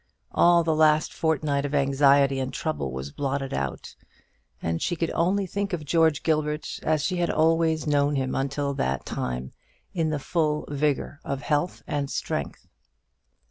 All the last fortnight of anxiety and trouble was blotted out, and she could only think of George Gilbert as she had always known him until that time, in the full vigour of health and strength.